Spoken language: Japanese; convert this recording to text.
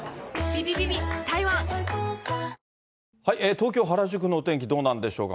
東京・原宿のお天気、どうなんでしょうか。